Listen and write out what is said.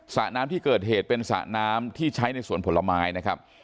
สระน้ำที่เกิดเหตุเป็นสระน้ำที่ใช้ในสวนผลไม้นะครับ